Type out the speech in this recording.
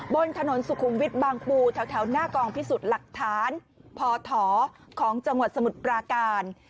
บนถนนสุขุมวิทย์บางปูแถวหน้ากองพิสูจน์หลักฐานพของจังหวัดสมุทรปราการ